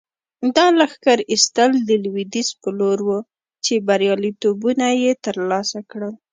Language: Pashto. دا لښکر ایستل د لویدیځ په لور وو چې بریالیتوبونه یې ترلاسه کړل.